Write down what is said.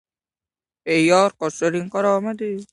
Yaponiyada ishlash istagida bo‘lgan fuqarolar diqqatiga!